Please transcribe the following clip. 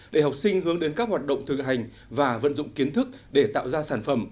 để học sinh hướng đến các hoạt động thực hành và vận dụng kiến thức để tạo ra sản phẩm